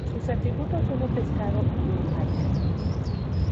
Sus atributos son un pescado y un hacha.